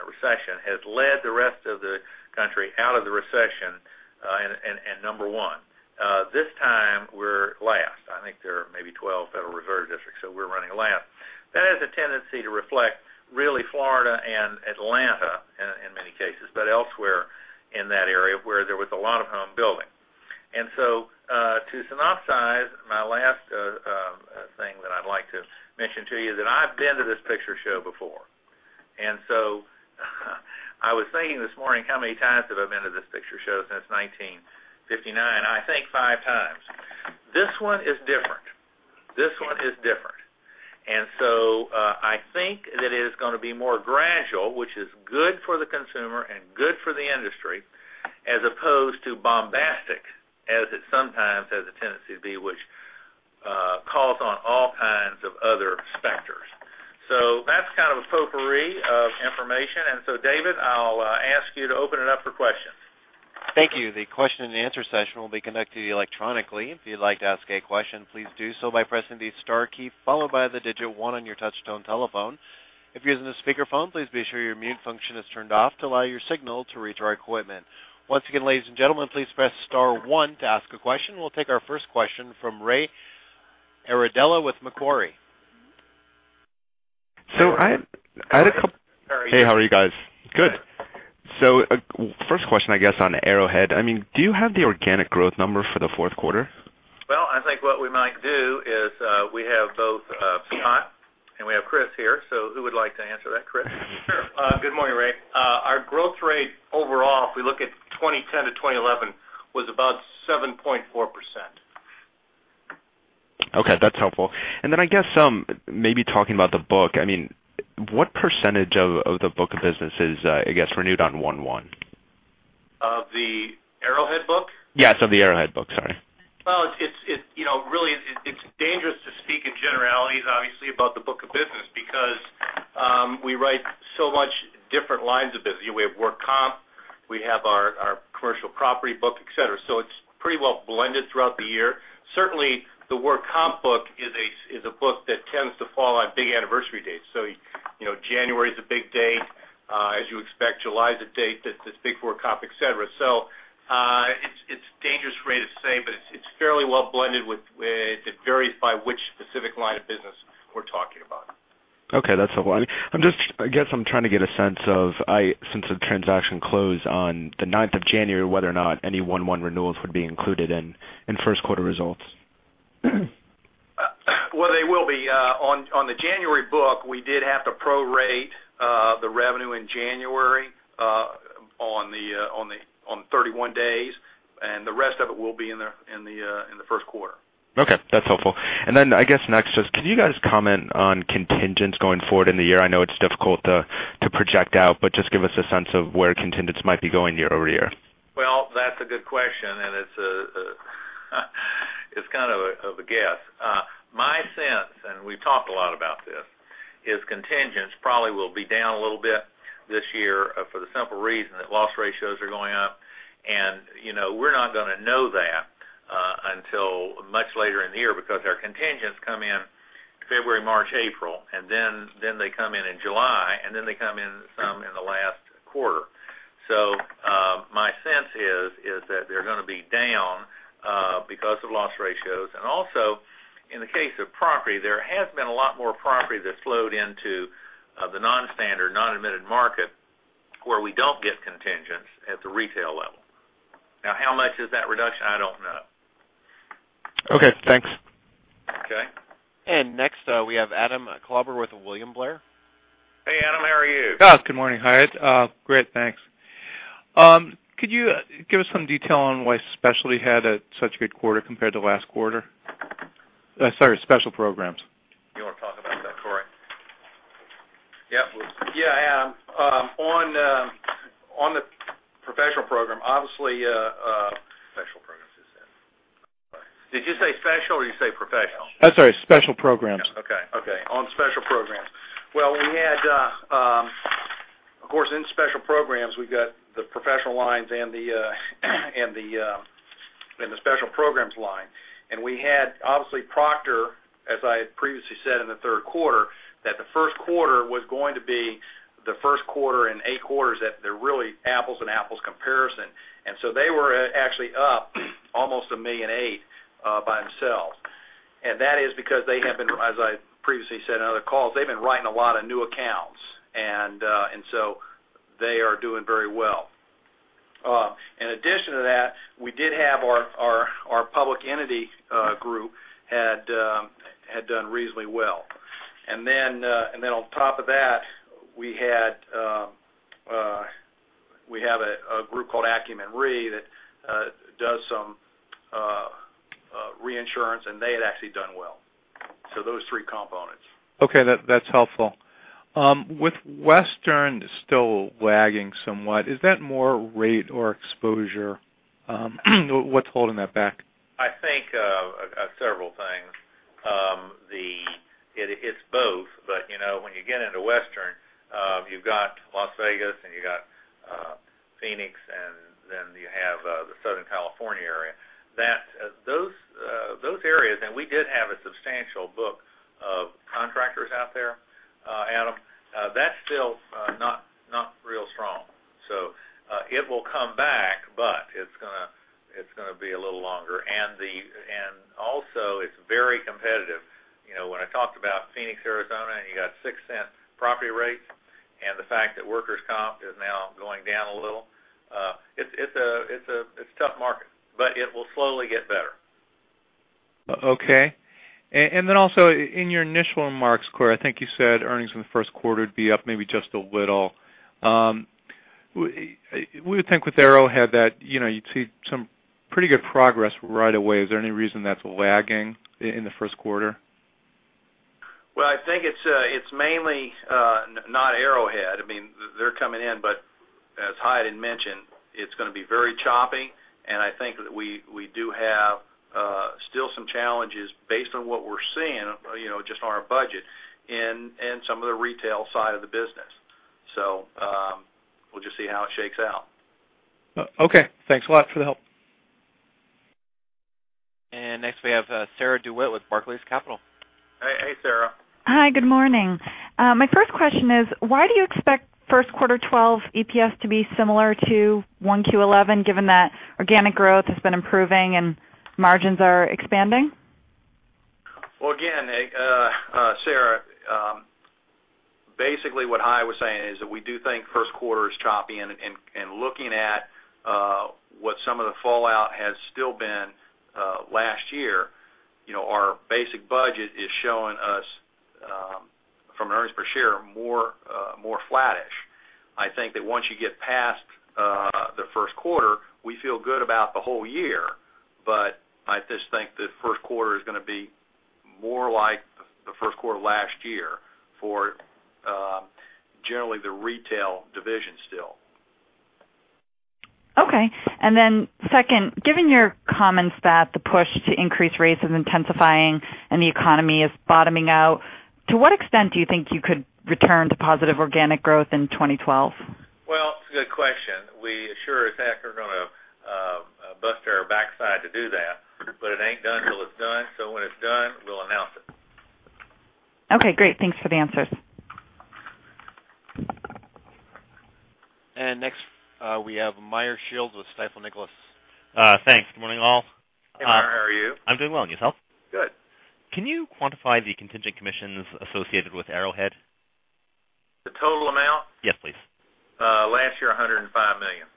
a recession, has led the rest of the country out of the recession and number 1. This time we're last. I think there are maybe 12 Federal Reserve Districts, so we're running last. That has a tendency to reflect really Florida and Atlanta in many cases, but elsewhere in that area where there was a lot of home building. To synopsize, my last thing that I'd like to mention to you is that I've been to this picture show before. I was thinking this morning, how many times have I been to this picture show since 1959? I think five times. This one is different. This one is different. I think that it is going to be more gradual, which is good for the consumer and good for the industry, as opposed to bombastic, as it sometimes has a tendency to be, which calls on all kinds of other specters. That's kind of a potpourri of information. David, I'll ask you to open it up for questions. Thank you. The question and answer session will be conducted electronically. If you'd like to ask a question, please do so by pressing the star key, followed by the digit 1 on your touchtone telephone. If you're using a speakerphone, please be sure your mute function is turned off to allow your signal to reach our equipment. Once again, ladies and gentlemen, please press star one to ask a question, we'll take our first question from Ray Iardella with Macquarie. I had a couple. Ray. Hey, how are you guys? Good. First question, I guess on Arrowhead, do you have the organic growth number for the fourth quarter? I think what we might do is, we have both Scott and we have Chris here, who would like to answer that? Chris? Sure. Good morning, Ray. Our growth rate overall, if we look at 2010 to 2011, was about 7.4%. Okay, that's helpful. Then I guess, maybe talking about the book, what percentage of the book of business is renewed on 1/1? Of the Arrowhead book? Yes, of the Arrowhead book, sorry. Well, really, it's dangerous to speak in generalities, obviously, about the book of business because we write so much different lines of business. We have work comp, we have our commercial property book, et cetera, so it's pretty well blended throughout the year. Certainly, the work comp book is a book that tends to fall on big anniversary dates. January is a big date, as you expect. July is a date that's big for work comp, et cetera. It's dangerous for me to say, but it's fairly well blended with it varies by which specific line of business we're talking about. Okay, that's helpful. I guess I'm trying to get a sense of, since the transaction closed on the 9th of January, whether or not any 1/1 renewals would be included in first quarter results. Well, they will be. On the January book, we did have to pro-rate the revenue in January on the 31 days, and the rest of it will be in the first quarter. Okay, that's helpful. I guess next, just can you guys comment on contingents going forward in the year? I know it's difficult to project out, just give us a sense of where contingents might be going year-over-year. Well, that's a good question, and it's kind of a guess. My sense, and we've talked a lot about this, is contingents probably will be down a little bit this year for the simple reason that loss ratios are going up. We're not going to know that until much later in the year because our contingents come in February, March, April, and then they come in in July, and then they come in some in the last quarter. My sense is that they're going to be down because of loss ratios. Also in the case of property, there has been a lot more property that's flowed into the non-standard, non-admitted market where we don't get contingents at the retail level. Now, how much is that reduction? I don't know. Okay, thanks. Okay. Next, we have Adam Klauber with William Blair. Hey, Adam, how are you? Scott, good morning. Hyatt. Great. Thanks. Could you give us some detail on why specialty had such a good quarter compared to last quarter? Sorry, special programs. You want to talk about that, Cory? Yeah. On the professional program. Special programs you said. Did you say special or did you say professional? Sorry, special programs. Okay. On special programs. Well, of course, in special programs, we've got the professional lines and the special programs line. We had, obviously, Proctor, as I had previously said in the third quarter, that the first quarter was going to be the first quarter in eight quarters that they're really apples and apples comparison. They were actually up almost $1,000,000 by themselves. That is because they have been, as I previously said in other calls, they've been writing a lot of new accounts. They are doing very well. In addition to that, we did have our public entity group had done reasonably well. Then on top of that, we have a group called Acumen Re that does some reinsurance, and they had actually done well. Those three components. Okay. That's helpful. With Western still lagging somewhat, is that more rate or exposure? What's holding that back? I think several things. It's both, when you get into Western, you've got Las Vegas, you've got Phoenix, then you have the Southern California area. Those areas, we did have a substantial book of contractors out there, Adam. That's still not real strong. It will come back, but it's going to be a little longer. Also, it's very competitive. When I talked about Phoenix, Arizona, you got $0.06 property rates and the fact that workers' comp is now going down a little, it's a tough market, but it will slowly get better. Okay. Also in your initial remarks, Cory, I think you said earnings in the first quarter would be up maybe just a little. We would think with Arrowhead that you'd see some pretty good progress right away. Is there any reason that's lagging in the first quarter? Well, I think it's mainly not Arrowhead. They're coming in, but as Hyatt had mentioned, it's going to be very choppy, and I think that we do have still some challenges based on what we're seeing, just on our budget, and some of the retail side of the business. We'll just see how it shakes out. Okay. Thanks a lot for the help. Next we have Sarah DeWitt with Barclays Capital. Hey, Sarah. Hi, good morning. My first question is: Why do you expect first quarter 2012 EPS to be similar to 1Q 2011, given that organic growth has been improving and margins are expanding? Well, again, Sarah, basically what Hy was saying is that we do think first quarter is choppy, and looking at what some of the fallout has still been last year, our basic budget is showing us, from earnings per share, more flattish. I think that once you get past the first quarter, we feel good about the whole year, but I just think the first quarter is going to be more like the first quarter last year for generally the retail division still. Okay. Then second, given your comments that the push to increase rates is intensifying and the economy is bottoming out, to what extent do you think you could return to positive organic growth in 2012? Well, it's a good question. We sure as heck are going to bust our backside to do that, but it ain't done till it's done, so when it's done, we'll announce it. Okay, great. Thanks for the answers. Next, we have Meyer Shields with Stifel Nicolaus. Thanks. Good morning, all. Hey, Meyer. How are you? I'm doing well. Yourself? Good. Can you quantify the contingent commissions associated with Arrowhead? The total amount? Yes, please. Last year, $105 million.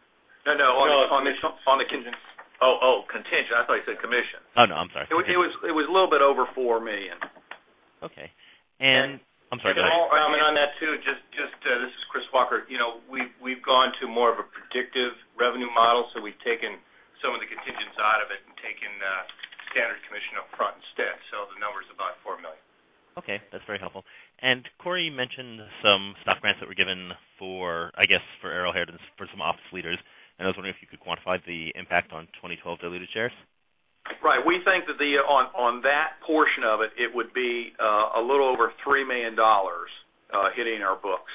No, on the contingent. Oh, contingent. I thought you said commission. Oh, no, I'm sorry. It was a little bit over $4 million. Okay. I'm sorry, go ahead. I'll comment on that, too. This is Chris Walker. We've gone to more of a predictive revenue model, we've taken some of the contingents out of it and taken standard commission up front instead. The number's about $4 million. Okay. That's very helpful. Cory mentioned some stock grants that were given for, I guess, for Arrowhead and for some office leaders, and I was wondering if you could quantify the impact on 2012 diluted shares. Right. We think that on that portion of it would be a little over $3 million hitting our books.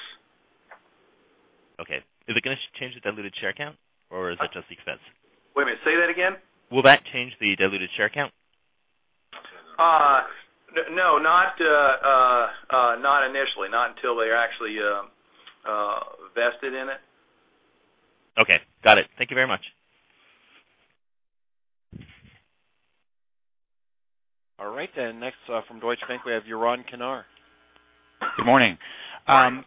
Okay. Is it going to change the diluted share count, or is it just the expense? Wait a minute. Say that again. Will that change the diluted share count? No, not initially. Not until they're actually vested in it. Okay. Got it. Thank you very much. All right. Next, from Deutsche Bank, we have Yaron Kinar. Good morning. Hi.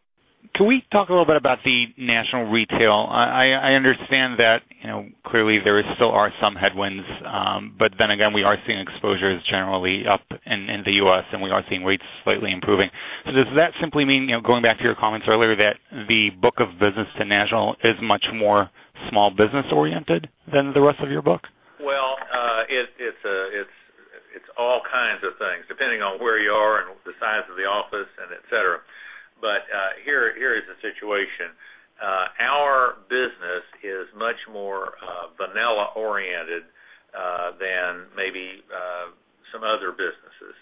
Can we talk a little bit about the national retail? I understand that clearly there still are some headwinds. Then again, we are seeing exposures generally up in the U.S., and we are seeing rates slightly improving. Does that simply mean, going back to your comments earlier, that the book of business to national is much more small business-oriented than the rest of your book? Well, it's all kinds of things, depending on where you are and the size of the office, et cetera. Here is the situation. Our business is much more vanilla-oriented than maybe some other businesses.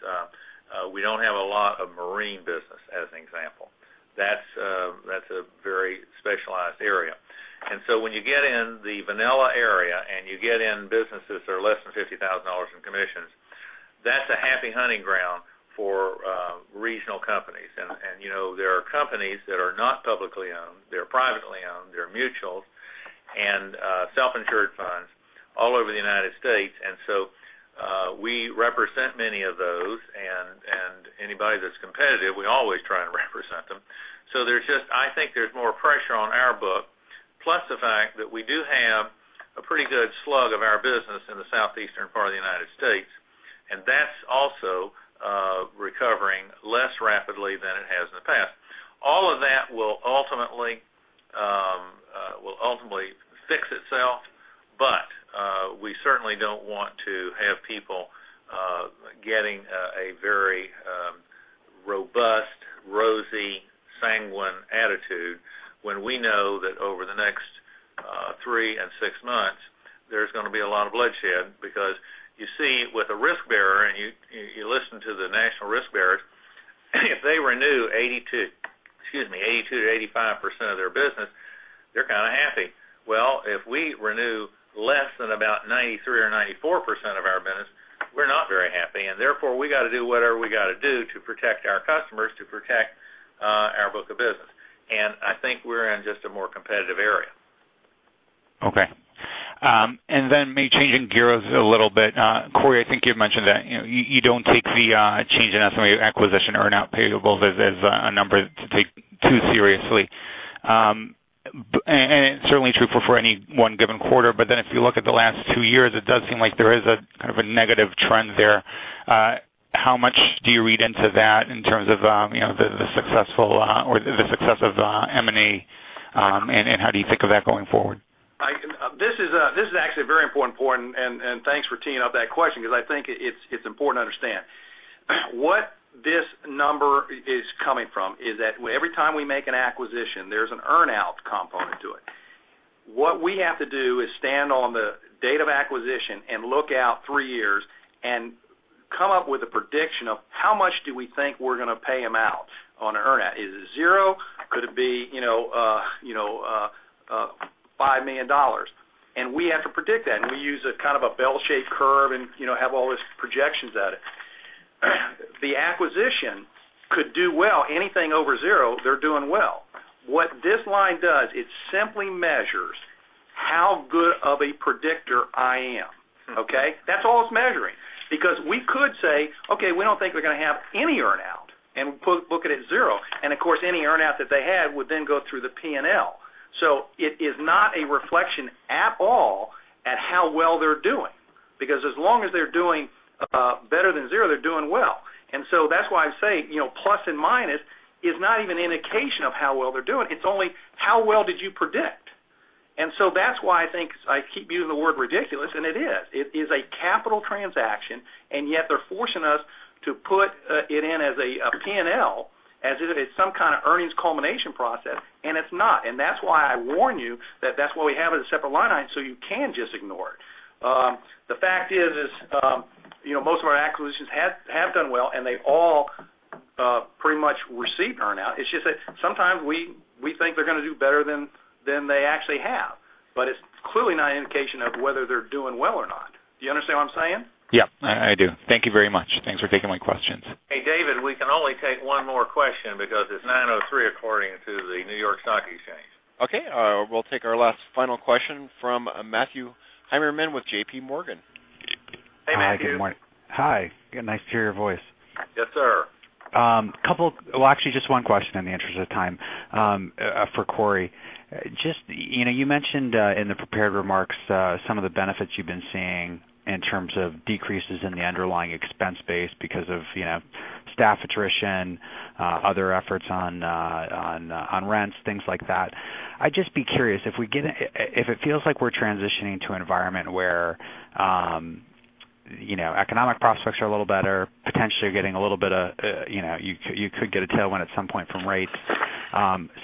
We don't have a lot of marine business, as an example. That's a very specialized area. When you get in the vanilla area, and you get in businesses that are less than $50,000 in commissions, that's a happy hunting ground for regional companies. There are companies that are not publicly owned. They're privately owned, they're mutuals, and self-insured funds all over the United States. We represent many of those, and anybody that's competitive, we always try and represent them. I think there's more pressure on our book. Plus the fact that we do have a pretty good slug of our business in the southeastern part of the United States, and that's also recovering less rapidly than it has in the past. All of that will ultimately fix itself, but we certainly don't want to have people getting a very robust, rosy, sanguine attitude when we know that over the next three and six months, there's going to be a lot of bloodshed. You see with a risk bearer, and you listen to the national risk bearers, if they renew 82%-85% of their business, they're kind of happy. Well, if we renew less than about 93% or 94% of our business, we're not very happy, and therefore, we got to do whatever we got to do to protect our customers, to protect our book of business. I think we're in just a more competitive area. Okay. Then maybe changing gears a little bit. Cory, I think you've mentioned that you don't take the change in estimated acquisition earnout payables as a number to take too seriously. It's certainly true for any one given quarter. If you look at the last two years, it does seem like there is a kind of a negative trend there. How much do you read into that in terms of the success of M&A, and how do you think of that going forward? This is actually very important, and thanks for teeing up that question because I think it's important to understand. What this number is coming from is that every time we make an acquisition, there's an earn-out component to it. What we have to do is stand on the date of acquisition and look out three years and come up with a prediction of how much do we think we're going to pay them out on an earn-out. Is it zero? Could it be $5 million? We have to predict that, and we use a kind of a bell-shaped curve and have all these projections at it. The acquisition could do well. Anything over zero, they're doing well. What this line does, it simply measures how good of a predictor I am. Okay? That's all it's measuring because we could say, okay, we don't think we're going to have any earn-out and book it at zero, and of course, any earn-out that they had would then go through the P&L. It is not a reflection at all at how well they're doing, because as long as they're doing better than zero, they're doing well. That's why I say, plus and minus is not even an indication of how well they're doing. It's only how well did you predict. That's why I think I keep using the word ridiculous, and it is. It is a capital transaction, and yet they're forcing us to put it in as a P&L as if it's some kind of earnings culmination process, and it's not. That's why I warn you that's why we have it as a separate line item, so you can just ignore it. The fact is, most of our acquisitions have done well, and they all pretty much receive earn-out. It's just that sometimes we think they're going to do better than they actually have. It's clearly not an indication of whether they're doing well or not. Do you understand what I'm saying? Yeah, I do. Thank you very much. Thanks for taking my questions. Hey, David, we can only take one more question because it's 9:03 A.M. according to the New York Stock Exchange. Okay. We'll take our last final question from Matthew Heimermann with JPMorgan. Hey, Matthew. Hi, good morning. Hi. Nice to hear your voice. Yes, sir. Well, actually just one question in the interest of time for Cory. You mentioned in the prepared remarks some of the benefits you've been seeing in terms of decreases in the underlying expense base because of staff attrition, other efforts on rents, things like that. I'd just be curious, if it feels like we're transitioning to an environment where economic prospects are a little better, potentially you could get a tailwind at some point from rates.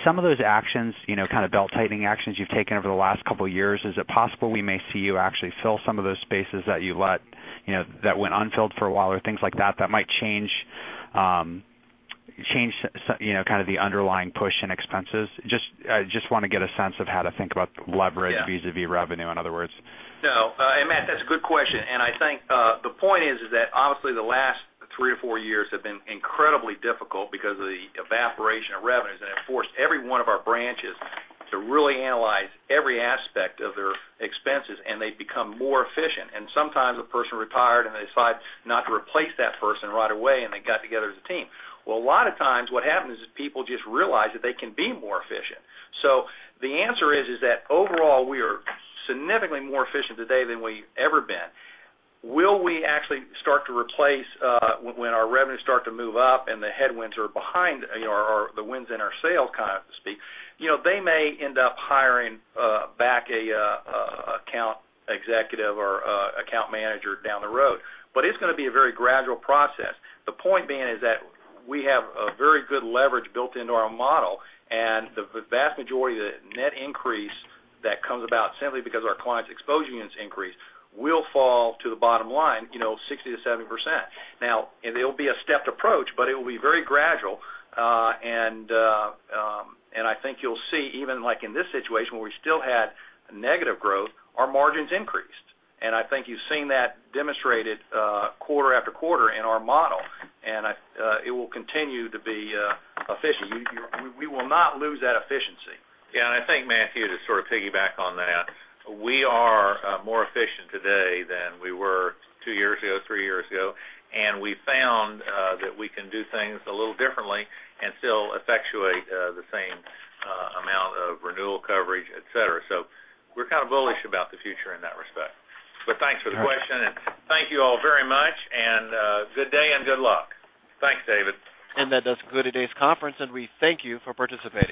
Some of those actions, kind of belt-tightening actions you've taken over the last couple of years, is it possible we may see you actually fill some of those spaces that went unfilled for a while or things like that might change kind of the underlying push in expenses? I just want to get a sense of how to think about leverage vis-à-vis revenue, in other words. No. Matthew, that's a good question. I think the point is that obviously the last three or four years have been incredibly difficult because of the evaporation of revenues. It forced every one of our branches to really analyze every aspect of their expenses, and they've become more efficient. Sometimes a person retired, and they decide not to replace that person right away. They got together as a team. A lot of times what happens is people just realize that they can be more efficient. The answer is that overall, we are significantly more efficient today than we've ever been. Will we actually start to replace when our revenues start to move up and the headwinds are behind or the wind's in our sails, so to speak? They may end up hiring back an account executive or account manager down the road, but it's going to be a very gradual process. The point being is that we have a very good leverage built into our model, and the vast majority of the net increase that comes about simply because our clients' exposure units increase will fall to the bottom line 60%-70%. Now, it'll be a stepped approach, but it will be very gradual. I think you'll see even like in this situation where we still had negative growth, our margins increased. I think you've seen that demonstrated quarter after quarter in our model, and it will continue to be efficient. We will not lose that efficiency. Yeah, I think Matthew, to sort of piggyback on that, we are more efficient today than we were two years ago, three years ago. We found that we can do things a little differently and still effectuate the same amount of renewal coverage, et cetera. We're kind of bullish about the future in that respect. Thanks for the question, and thank you all very much. Good day, and good luck. Thanks, David. That does conclude today's conference, and we thank you for participating.